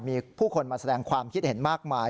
มีผู้คนมาแสดงความคิดเห็นมากมาย